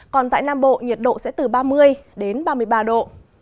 còn tại nam bộ nhiệt độ sẽ từ ba mươi đến ba mươi ba độ